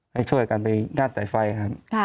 ให้ช่วยกันไปยัดสายไฟครับ